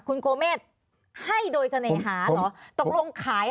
คุณกุมเมฆ